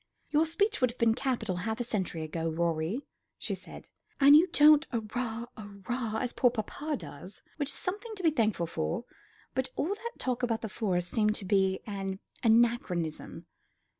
"Your speech would have been capital half a century ago, Rorie," she said, "and you don't arra arra as poor papa does, which is something to be thankful for; but all that talk about the Forest seemed to be an anachronism.